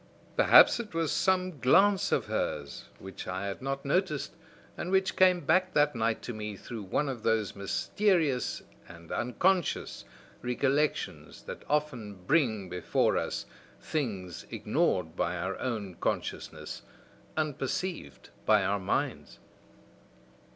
Perhaps it was some glance of hers which I had not noticed and which came back that night to me through one of those mysterious and unconscious recollections that often bring before us things ignored by our own consciousness, unperceived by our minds!"